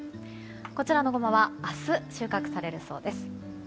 こちらのゴマは明日収穫されるそうです。